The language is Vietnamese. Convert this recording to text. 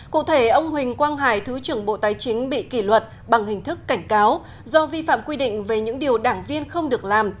cụ thể ông huỳnh quang hải thứ trưởng bộ tài chính bị kỷ luật bằng hình thức cảnh cáo do vi phạm quy định về những điều đảng viên không được làm